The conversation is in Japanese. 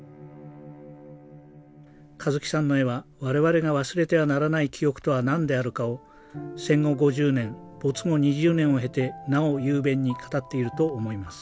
香月さんの絵は我々が忘れてはならない記憶とは何であるかを戦後５０年没後２０年を経てなお雄弁に語っていると思います。